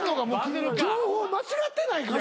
情報間違ってないか？